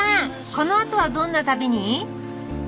このあとはどんな旅に？